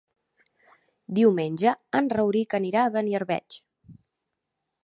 Diumenge en Rauric anirà a Beniarbeig.